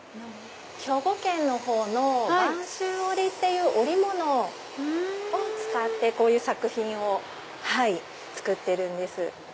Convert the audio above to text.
兵庫県のほうの播州織っていう織物を使ってこういう作品を作ってるんです。